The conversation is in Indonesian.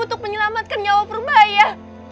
untuk menyelamatkan nyawa purbaya